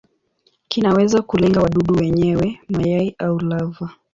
Kinaweza kulenga wadudu wenyewe, mayai au lava.